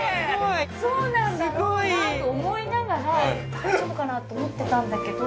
そうなんだろうかなと思いながら大丈夫かなって思ってたんだけど。